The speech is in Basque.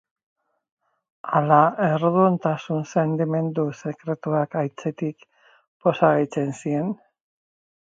Ala erruduntasun sentimendu sekretuak, aitzitik, poza gehitzen zien?